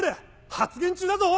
発言中だぞ！